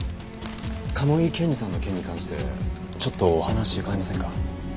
賀茂井健治さんの件に関してちょっとお話伺えませんか？